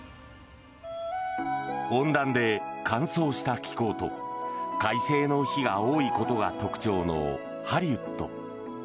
温暖で乾燥した気候と快晴の日が多いことが特徴のハリウッド。